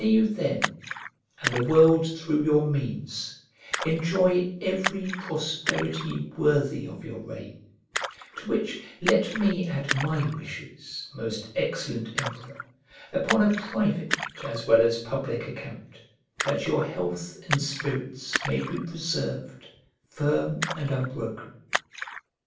May you then, and the world through your means, enjoy every prosperity worthy of your reign: to which let me add my wishes, most excellent Emperor, upon a private as well as public account, that your health and spirits may be preserved firm and unbroken.